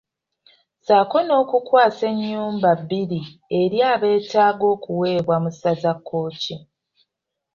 Ssaako n’okukwasa ennyumba bbiri eri abeetaaga okuweebwa mu ssaza Kkooki.